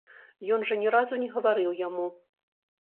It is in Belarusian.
Ён жа ні разу не гаварыў яму.